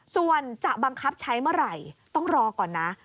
ส่วนจะบังคับใช้เมื่อไหร่ต้องรอก่อนนะ